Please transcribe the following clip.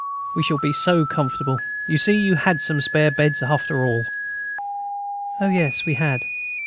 We shall be so comfortable. You see, you had some spare beds, after all." "Oh, yes, we had.